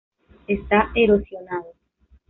Esta erosionado.